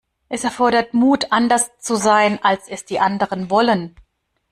Es erfordert Mut, anders zu sein, als es die anderen wollen.